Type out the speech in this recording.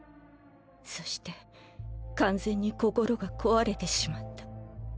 そして完全に心が壊れてしまった。